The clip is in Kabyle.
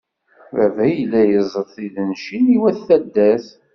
Baba yella izeṭṭ tidencin i wat taddart.